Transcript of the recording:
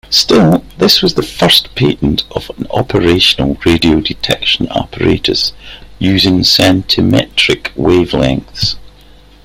Still, this was the first patent of an operational radio-detection apparatus using centimetric wavelengths.